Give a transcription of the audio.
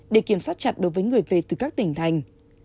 để kiểm soát chặt đối với người về từ các tỉnh thành